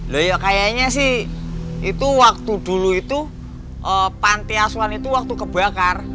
loh ya kayaknya sih itu waktu dulu itu panti asuhan itu waktu kebakar